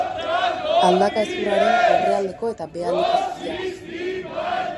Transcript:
Aldaka hezurraren aurrealdeko eta behealdeko zatia da.